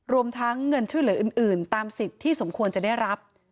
รวมทั้งเงินช่วยเหลืออื่นตามสิทธิ์ที่สมควรจะได้รับ